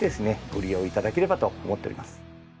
ご利用頂ければと思っております。